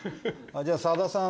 じゃあ、さださん